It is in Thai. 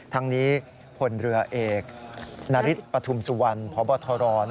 ทั้งนี้พลเรือเอกนาริสปฐุมสุวรรณพบทร